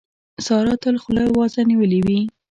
سارا تل خوله وازه نيولې وي.